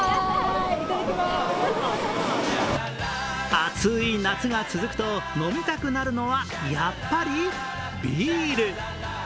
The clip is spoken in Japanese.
暑い夏が続くと飲みたくなるのはやっぱりビール。